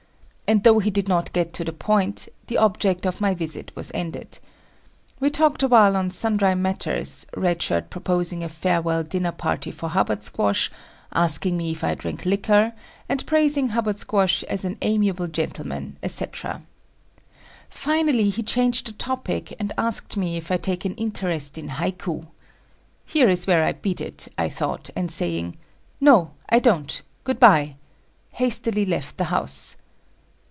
And though he did not get to the point, the object of my visit was ended. We talked a while on sundry matters, Red Shirt proposing a farewell dinner party for Hubbard Squash, asking me if I drink liquor and praising Hubbard Squash as an amiable gentleman, etc. Finally he changed the topic and asked me if I take an interest in "haiku." Here is where I beat it, I thought, and, saying "No, I don't, good by," hastily left the house.